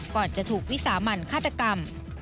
ก่อนจะถูกวิสามันฆาตกรรม